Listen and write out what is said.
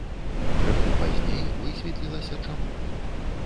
Крыху пазней высветлілася, чаму.